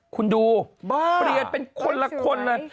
คุณดูเปลี่ยนเป็นคนละคนเลย